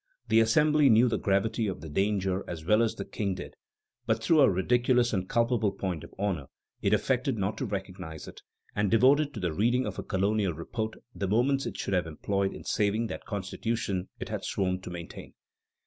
The Assembly knew the gravity of the danger as well as the King did; but through a ridiculous and culpable point of honor, it affected not to recognize it, and devoted to the reading of a colonial report the moments it should have employed in saving that Constitution it had sworn to maintain.